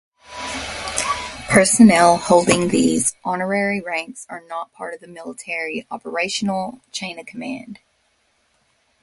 Personnel holding these honorary ranks are not part of the military operational chain-of-command.